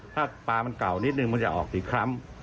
ถ้าปลามันเก่านิดนึงมันจะออกกี่ครั้ง